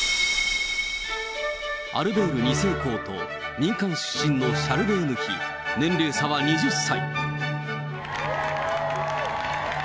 アルベール２世公と民間出身のシャルレーヌ妃、年齢差は２０歳。